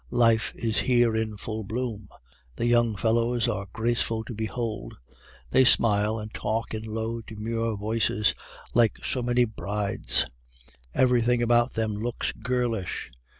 Life is here in full bloom; the young fellows are graceful to behold; they smile and talk in low, demure voices like so many brides; everything about them looks girlish.